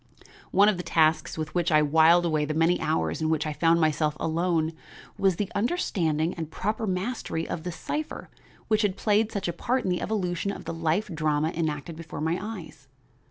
One of the tasks with which I whiled away the many hours in which I found myself alone was the understanding and proper mastery of the cipher which had played such a part in the evolution of the life drama enacted before my eyes.